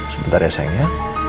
sebentar ya sayang ya